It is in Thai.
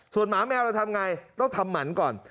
ส่วนหมาแมวเราทำไงต้องทำหมันก่อน